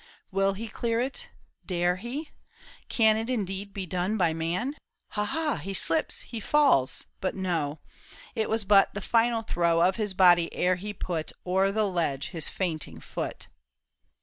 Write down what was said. Will he clear it ? dare he ? Can It indeed be done by man ? Ha, he slips, he falls ; but no It was but the final throw 29 30 THE TOWER OF BO UV ERIE. Of his body ere he put O'er the ledge his fainting foot.